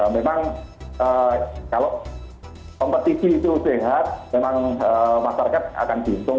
memang kalau kompetisi itu sehat memang masyarakat akan bintung